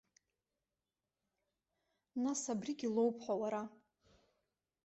Нас абригьы лоуп ҳәа уара.